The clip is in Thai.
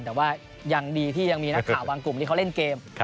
แต่ว่ายังดีที่ยังมีนักข่าวบางกลุ่มที่เขาเล่นเกม